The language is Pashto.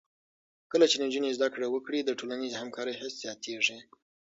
کله چې نجونې زده کړه وکړي، د ټولنیزې همکارۍ حس زیاتېږي.